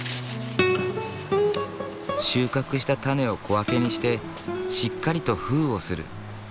収穫した種を小分けにしてしっかりと封をする。